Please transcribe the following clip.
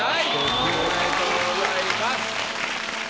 おめでとうございます。